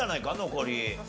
残り。